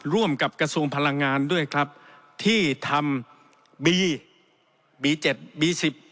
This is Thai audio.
ร่วมกับกระทรวงพลังงานด้วยครับที่ทำบีบีเจ็ดบีสิบ